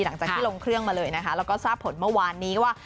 หลังจากที่ลงเครื่องมาเลยนะคะแล้วก็ทราบผลเมื่อวานนี้ว่า